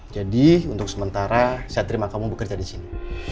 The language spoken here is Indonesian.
jadi untuk sementara saya terima kamu bekerja di sini